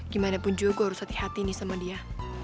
gimanapun juga gue harus hati hati nih sama dia